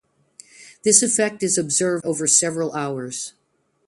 This effect is observed over several hours.